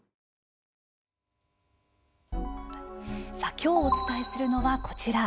きょうお伝えするのはこちら。